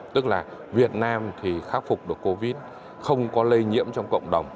tức là việt nam thì khắc phục được covid